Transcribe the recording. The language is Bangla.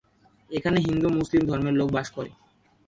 এখানে হিন্দু মুসলিম ধর্মের লোক বাস করে।